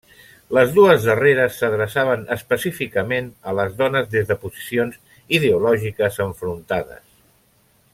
Les dues darreres s'adreçaven específicament a les dones des de posicions ideològiques enfrontades.